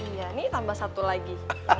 iya ini tambah satu lagi